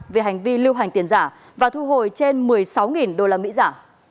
về hành vi lưu hành tiền giả và thu hồi trên một mươi sáu usd giả